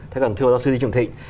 thưa giáo sư lý trường thịnh